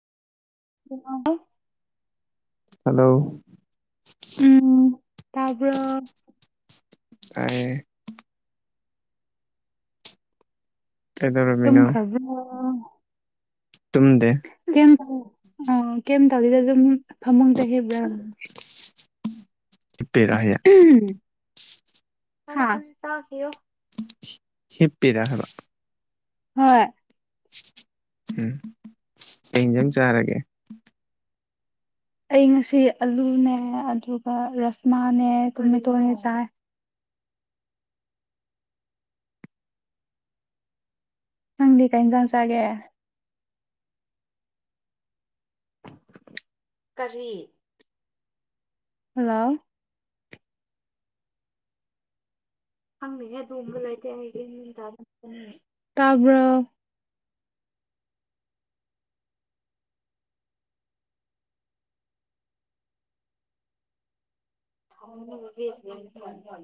[unintelligible] hello ꯎꯝ ꯇꯥꯕ꯭ꯔꯣ ꯇꯥꯏꯌꯦ ꯀꯩꯗꯧꯔꯝꯃꯤꯅꯣ ꯇꯨꯝꯈ꯭ꯔꯕ꯭ꯔꯣ ꯇꯨꯝꯗꯦ ꯀꯩꯝ ꯀꯩꯝ ꯇꯧꯗꯦꯗ ꯑꯗꯨꯝ ꯐꯃꯨꯡꯇ ꯍꯤꯞꯔꯒ ꯍꯤꯞꯄꯤꯔꯥ ꯍꯥꯏꯌꯥ ꯍꯥ ꯍꯤꯞꯄꯤꯔꯥ ꯍꯥꯏꯕ ꯍꯣꯏ ꯎꯝ ꯀꯩ ꯏꯟꯖꯥꯡ ꯆꯥꯔꯒꯦ ꯑꯩ ꯉꯁꯤ ꯑꯂꯨꯅꯦ ꯑꯗꯨꯒ ꯔꯁꯃꯥꯅꯦ ꯇꯣꯃꯦꯇꯣꯅꯦ ꯆꯥꯏ ꯅꯪꯗꯤ ꯀꯩ ꯏꯟꯖꯥꯡ ꯆꯥꯒꯦ ꯀꯔꯤ ꯍꯜꯂꯣ ꯈꯪꯗꯦ ꯑꯗꯨꯒꯨꯝꯕ ꯂꯩꯇꯦ ꯑꯩꯒꯤ ꯇꯥꯕ꯭ꯔꯣ [inaudible]